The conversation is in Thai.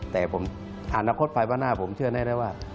แต่อาณาคตภายพระนาคต์ผมเชื่อได้เลยว่า